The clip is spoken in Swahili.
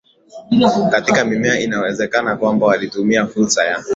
katika mimea inawezekana kwamba walitumia fursa ya